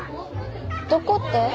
どこって？